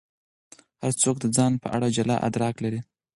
هر څوک د ځان په اړه جلا ادراک لري.